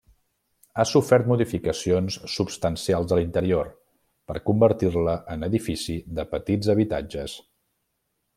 Ha sofert modificacions substancials a l'interior, per convertir-la en edifici de petits habitatges.